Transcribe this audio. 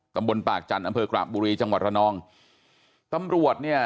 ตำบลปากจันทร์อำเภอกราบบุรีจังหวัดระนองตำรวจเนี่ย